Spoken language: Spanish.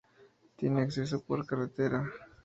Tiene acceso por carretera.